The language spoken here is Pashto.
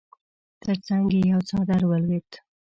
تر څنګ يې يو څادر ولوېد.